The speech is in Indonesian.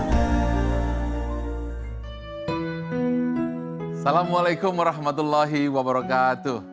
assalamualaikum warahmatullahi wabarakatuh